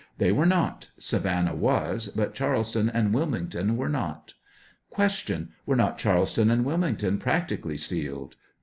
They were not; Savannah was, but Charleston and Wilmington were not. Q. Were not Charleston and Wilmington practically sealed